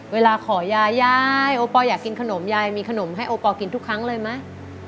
เวลาขอยายยายโอปอลอยากกินขนมยายมีขนมให้โอปอลกินทุกครั้งเลยไหม